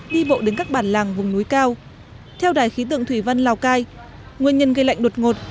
đi bộ đến các bản làng vùng núi cao theo đài khí tượng thủy văn lào cai nguyên nhân gây lạnh đột ngột